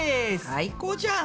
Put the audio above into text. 最高じゃん！